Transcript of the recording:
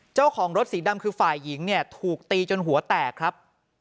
เจ้าของรถสีดำคือฝ่ายหญิงเนี่ยถูกตีจนหัวแตกครับ